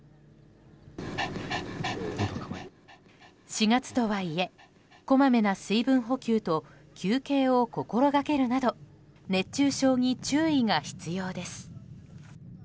４月とはいえこまめな水分補給と休憩を心掛けるなど熱中症に注意が必要です。